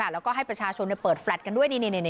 แล้วก็ให้ประชาชนเปิดแฟลตกันด้วย